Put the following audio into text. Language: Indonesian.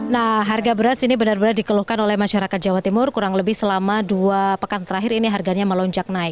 nah harga beras ini benar benar dikeluhkan oleh masyarakat jawa timur kurang lebih selama dua pekan terakhir ini harganya melonjak naik